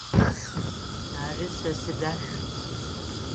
Ары, сэ сыдах.